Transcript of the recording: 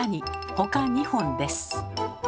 ほか２本です。